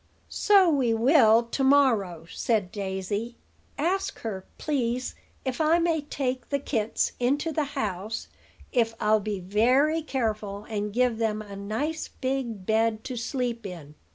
"So we will to morrow," said Daisy. "Ask her, please, if I may take the kits into the house, if I'll be very careful and give them a nice big bed to sleep in."